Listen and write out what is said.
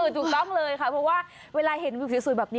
ถูกต้องเลยค่ะเพราะว่าเวลาเห็นวิวสวยแบบนี้